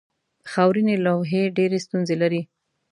خاورینې لوحې ډېرې ستونزې لري.